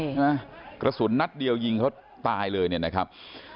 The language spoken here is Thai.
กระสุนนัดเดียวยิงเขาตายเลยเนี่ยนะครับ